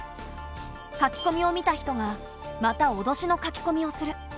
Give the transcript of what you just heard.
書き込みを見た人がまたおどしの書き込みをする。